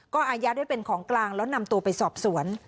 ก็อายัดไว้เป็นของกลางแล้วนำตัวไปสอบสวน